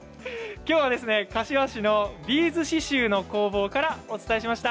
きょうは柏市のビーズ刺しゅうの工房からお伝えしました。